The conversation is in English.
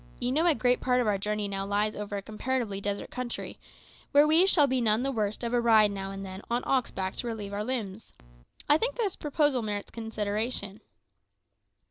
You know a great part of our journey now lies over a comparatively desert country, where we shall be none the worse of a ride now and then on ox back to relieve our limbs. I think the proposal merits consideration."